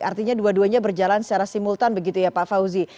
artinya dua duanya berjalan secara simultan begitu ya pak fauzi